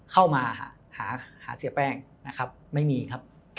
เข้ามาหาเสียแป้งนะครับไม่มีครับ